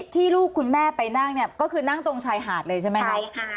ที่ลูกคุณแม่ไปนั่งเนี่ยก็คือนั่งตรงชายหาดเลยใช่ไหมคะ